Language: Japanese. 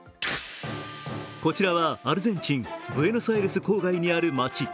こちらはアルゼンチン、ブエノスアイレス郊外にある町。